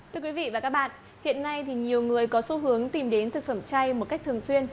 thưa quý vị và các bạn hiện nay thì nhiều người có xu hướng tìm đến thực phẩm chay một cách thường xuyên